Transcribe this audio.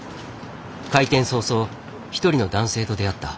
開店早々一人の男性と出会った。